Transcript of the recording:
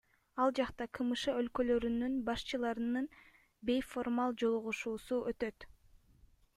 Ал жакта КМШ өлкөлөрүнүн башчыларынын бейформал жолугушуусу өтөт.